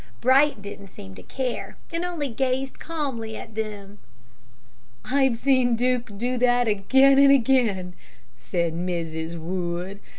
Bright didn't seem to care, and only gazed calmly at them." "I've seen Duke do that again and again," said Mrs. Wood.